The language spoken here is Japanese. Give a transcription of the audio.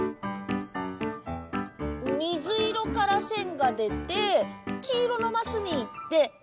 みずいろからせんがでてきいろのマスにいって。